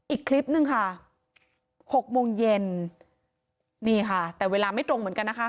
อีกคลิปหนึ่งค่ะหกโมงเย็นนี่ค่ะแต่เวลาไม่ตรงเหมือนกันนะคะ